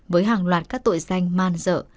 với hàng loạt các tội danh man dợ